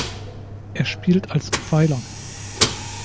Er spielt als Pfeiler.